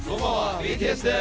ＢＴＳです。